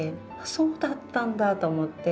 そうだったんだと思って。